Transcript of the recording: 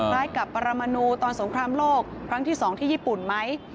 คล้ายกับปรมนูตอนสงครามโลกครั้งที่๒ที่ญี่ปุ่นไหม